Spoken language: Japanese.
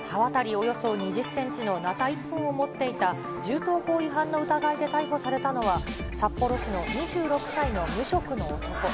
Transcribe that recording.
およそ２０センチのなた１本を持っていた銃刀法違反の疑いで逮捕されたのは、札幌市の２６歳の無職の男。